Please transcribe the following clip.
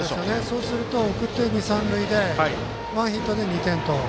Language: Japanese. そうすると送って二三塁でワンヒットで２点と。